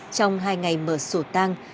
trong hai ngày mở sổ tang